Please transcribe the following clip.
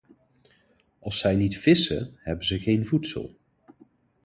Als zij niet vissen, hebben ze geen voedsel.